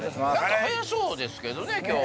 早そうですけどね今日。